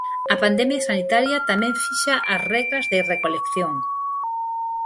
A pandemia sanitaria tamén fixa as regras de recolección.